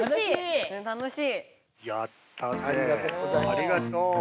ありがとう。